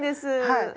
はい。